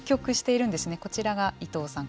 こちらが伊藤さん